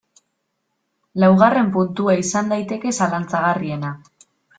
Laugarren puntua izan daiteke zalantzagarriena.